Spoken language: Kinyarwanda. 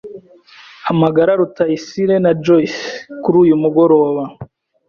Hamagara Rutayisire na Joyce kuri uyu mugoroba.